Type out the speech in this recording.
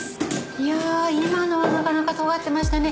いやあ今のはなかなかとがってましたね。